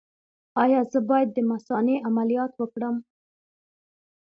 ایا زه باید د مثانې عملیات وکړم؟